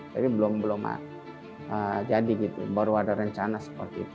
tapi belum belum jadi gitu baru ada rencana seperti itu